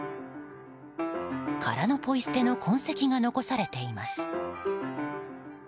殻のポイ捨ての痕跡が残されています。